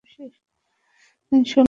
তিনি ষোল মাসের কারাদণ্ডে দণ্ডিত হন।